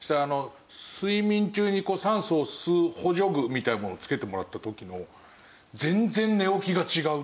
睡眠中に酸素を吸う補助具みたいなもんつけてもらった時の全然寝起きが違うっていう。